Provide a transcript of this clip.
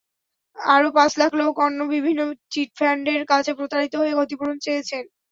আরও পাঁচ লাখ লোক অন্য বিভিন্ন চিটফান্ডের কাছে প্রতারিত হয়ে ক্ষতিপূরণ চেয়েছেন।